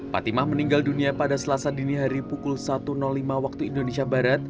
fatimah meninggal dunia pada selasa dini hari pukul satu lima waktu indonesia barat